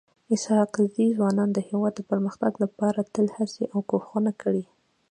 اسحق زي ځوانانو د هيواد د پرمختګ لپاره تل هڅي او کوښښونه کړي.